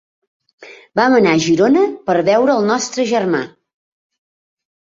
Vam anar a Girona per veure el nostre germà.